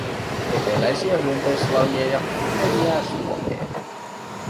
Eteläisiä hyönteislajeja leviää Suomeen.